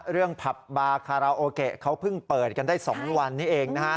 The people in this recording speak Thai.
เรื่องปลับบาร์คะโรเกะเค้าเพิ่งเปิดกันได้๒วันนี้เองนะฮะ